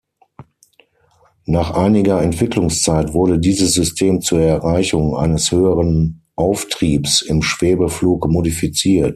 Nach einiger Entwicklungszeit wurde dieses System zur Erreichung eines höheren Auftriebs im Schwebeflug modifiziert.